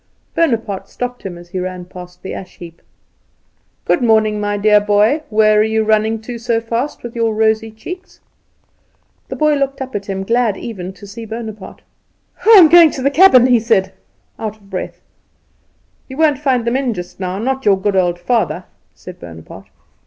Bonaparte stopped him as he ran past the ash heap. "Good morning, my dear boy. Where are you running to so fast with your rosy cheeks?" The boy looked up at him, glad even to see Bonaparte. "I am going to the cabin," he said, out of breath. "You won't find them in just now not your good old father," said Bonaparte.